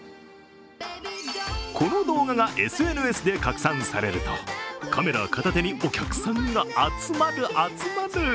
この動画がＳＮＳで拡散されるとカメラ片手にお客さんが集まる、集まる！